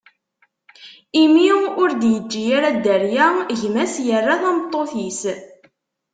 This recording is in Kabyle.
Imi ur d-iǧǧi ara dderya, gma-s yerra tameṭṭut-is.